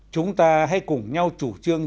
chúng ta hãy cùng nhau chủ trương